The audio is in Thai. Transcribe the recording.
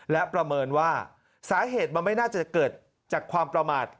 และประเมินว่าสาเหตุมันไม่น่าจะเกิดจากความประมาท